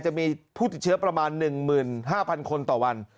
จะมีผู้ติดเชื้อประมาณ๑๕๐๐คนต่อวัน